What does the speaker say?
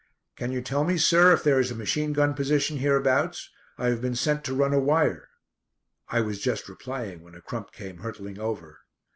"Can you tell me, sir, if there is a machine gun position hereabouts? I have been sent to run a wire." I was just replying when a crump came hurtling over.